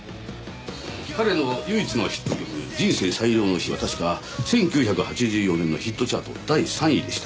彼の唯一のヒット曲『人生最良の日』は確か１９８４年のヒットチャート第３位でした。